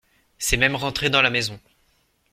C’est même rentré dans la maison.